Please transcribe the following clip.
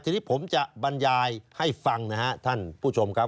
ทีนี้ผมจะบรรยายให้ฟังนะครับท่านผู้ชมครับ